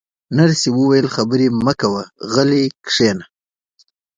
نرسې وویل: خبرې مه کوه، غلی کښېنه.